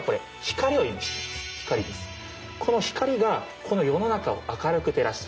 この光がこの世の中を明るく照らす。